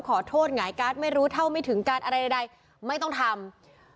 ขอโทษหงายการ์ดไม่รู้เท่าไม่ถึงการอะไรใดไม่ต้องทำ